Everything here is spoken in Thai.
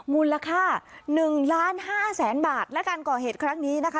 มูลค่าหนึ่งล้านห้าแสนบาทและการก่อเหตุครั้งนี้นะคะ